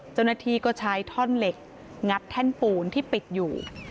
เจ้าหน้าที่ก็ใช้ท่อนเหล็กงัดแท่นปูนที่ปิดอยู่